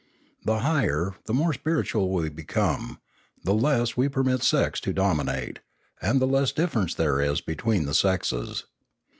The higher, the more spiritual we become, the less we permit sex to dominate, and the less difference there is between the sexes.